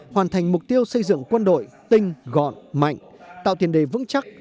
hoàn thành mục tiêu xây dựng quân đội tinh gọn mạnh tạo tiền đề vững chắc